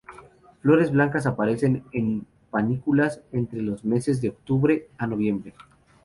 Flores blancas aparecen en panículas entre los meses de octubre a noviembre.